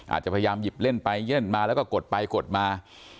พยายามหยิบเล่นไปเย่นมาแล้วก็กดไปกดมา